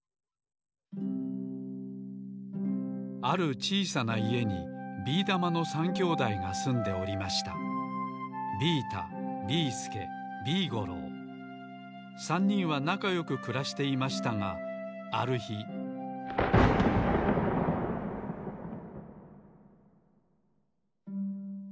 あるちいさないえにビーだまの３兄弟がすんでおりました３にんはなかよくくらしていましたがあるひゴロゴロ。